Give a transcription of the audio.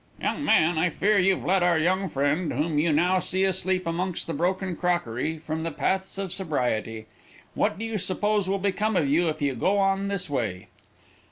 "Young man, I fear you've led our young friend, whom you now see asleep amongst the broken crockery, from the paths of sobriety. What do you suppose will become of you if you go on in this way?"